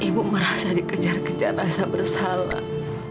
ibu merasa dikejar kejar rasa bersalah